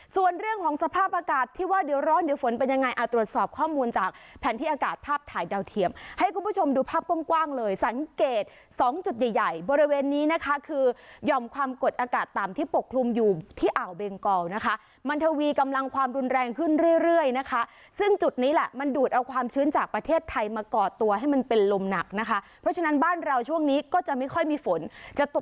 ส่วนเรื่องของสภาพอากาศที่ว่าเดี๋ยวร้อนเดี๋ยวฝนเป็นยังไงอาตรวจสอบข้อมูลจากแผนที่อากาศภาพถ่ายดาวเทียมให้คุณผู้ชมดูภาพกว้างเลยสังเกตสองจุดใหญ่บริเวณนี้นะคะคือยอมความกดอากาศตามที่ปกครุมอยู่ที่อ่าวเบงกอลนะคะมันทวีกำลังความรุนแรงขึ้นเรื่อยนะคะซึ่งจุดนี้แหละมั